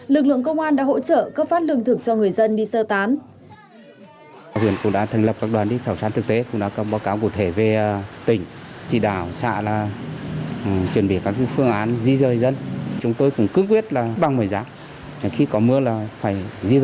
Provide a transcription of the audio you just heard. lực lượng công an đã hỗ trợ cấp phát lương thực cho người dân đi sơ tán